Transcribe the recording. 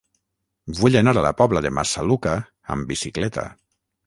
Vull anar a la Pobla de Massaluca amb bicicleta.